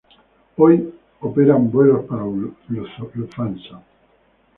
Hoy, opera vuelos para Lufthansa.